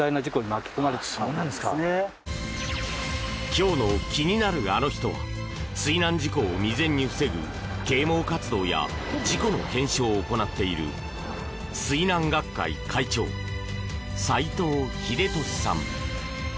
今日の気になるアノ人は水難事故を未然に防ぐ啓蒙活動や事故の検証を行っている水難学会会長、斎藤秀俊さん。